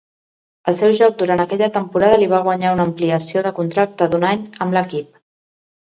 El seu joc durant aquella temporada li va guanyar una ampliació de contracte d'un any amb l'equip.